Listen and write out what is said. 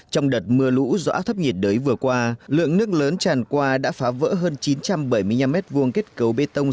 trong đợt mưa lũ do áp thấp nhiệt đới vừa qua lượng nước lớn tràn qua đã phá vỡ hơn chín trăm bảy mươi năm m hai kết cấu bê tông